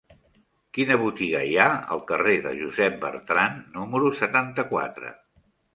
Quina botiga hi ha al carrer de Josep Bertrand número setanta-quatre?